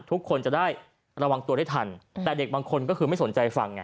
ทุกคนจะได้ระวังตัวได้ทันแต่เด็กบางคนก็คือไม่สนใจฟังไง